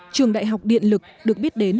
trường đại học điện lực được biết đến